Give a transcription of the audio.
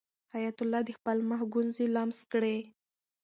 حیات الله د خپل مخ ګونځې لمس کړې.